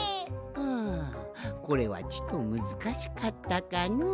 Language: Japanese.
はあこれはちとむずかしかったかのう？